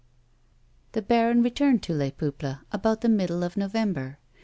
The baron returned to Les Peuples about the middle of November.